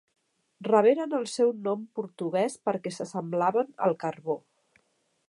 Reberen el seu nom portuguès perquè s'assemblaven al carbó.